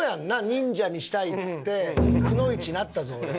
忍者にしたいっつってくノ一になったぞ俺。